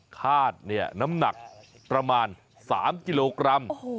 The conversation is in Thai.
คาดเนี่ยน้ำหนักประมาณ๓กิโลกรัม